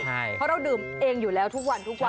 เพราะเราดื่มเองอยู่แล้วทุกวันทุกวัน